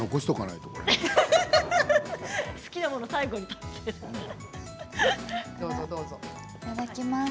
いただきます。